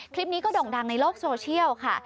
คลิปนี้ก็ด่งดังในโลกโซเชียลค่ะ